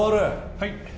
はい。